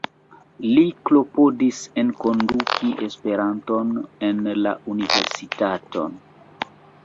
Li klopodis enkonduki Esperanton en la universitaton.